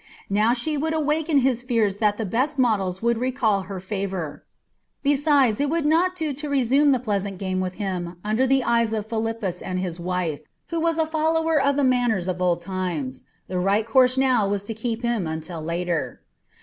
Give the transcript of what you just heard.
Now she would awaken his fears that the best of models would recall her favour. Besides, it would not do to resume the pleasant game with him under the eyes of Philippus and his wife, who was a follower of the manners of old times. The right course now was to keep him until later.